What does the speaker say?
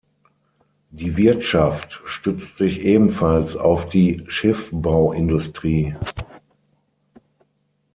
Die Wirtschaft stützt sich ebenfalls auf die Schiffbauindustrie.